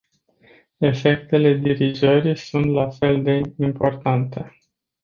Efectele dirijării sunt la fel de importante.